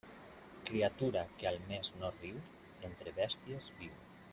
Criatura que al mes no riu, entre bèsties viu.